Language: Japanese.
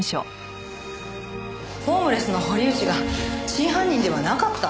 ホームレスの堀内が真犯人ではなかった？